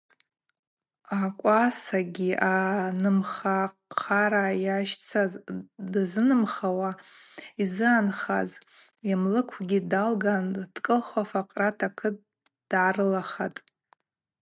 Аквасагьи анымхахъара йащцаз дзынымхауата йзыгӏанхаз йымлыквгьи далган дкӏылхуа факърата акыт дгӏарылахатӏ.